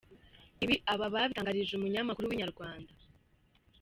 Ibi aba babitangarije umunyamakuru wa Inyarwanda.